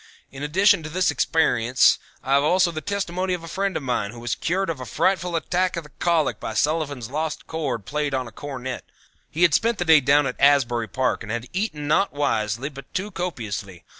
In addition to this experience I have also the testimony of a friend of mine who was cured of a frightful attack of the colic by Sullivan's Lost Chord played on a Cornet. He had spent the day down at Asbury Park and had eaten not wisely but too copiously.